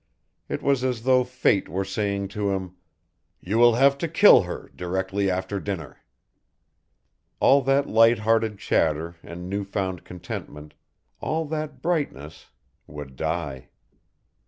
It was as though Fate were saying to him, "You will have to kill her directly after dinner." All that light hearted chatter and new found contentment, all that brightness would die.